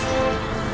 saya terima kasih nyai